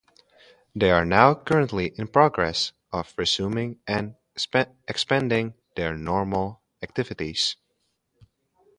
They are now currently in progress of resuming and expanding their normal activities.